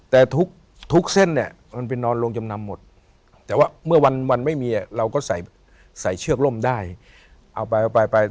แต่ทุกเส้นเนี่ยมันไปนอนโรงจำนำหมดแต่ว่าเมื่อวันไม่มีเราก็ใส่เชือกร่มได้เอาไปเอาไป